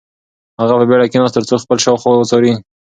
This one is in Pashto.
هغه په بېړه کښېناست ترڅو خپل شاوخوا وڅاري.